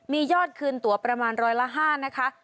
มียอดคืนตัวประมาณร้อยละ๕นะคะ